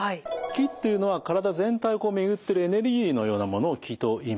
「気」っていうのは体全体を巡ってるエネルギーのようなものを気といいます。